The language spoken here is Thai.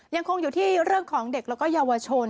ยังคงอยู่ที่เรื่องของเด็กแล้วก็เยาวชน